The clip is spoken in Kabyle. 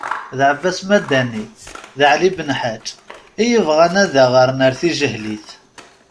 D ɛebbasi Madani d ɛli Benḥaǧ i yebɣan ad aɣ-erren ar tijehlit.